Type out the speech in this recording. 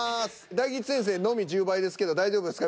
大吉先生のみ１０倍ですけど大丈夫ですか？